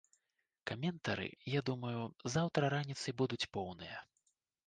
Каментары, я думаю, заўтра раніцай будуць, поўныя.